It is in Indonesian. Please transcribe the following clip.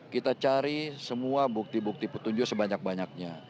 kita cari semua bukti bukti petunjuk sebanyak banyaknya